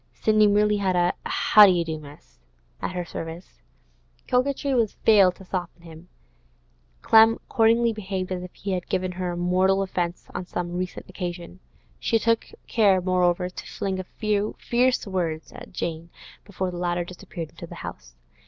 Sidney merely had a 'How do you do, miss?' at her service. Coquetry had failed to soften him; Clem accordingly behaved as if he had given her mortal offence on some recent occasion. She took care, moreover, to fling a few fierce words at Jane before the latter disappeared into the house.